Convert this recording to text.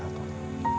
sampai jumpa lagi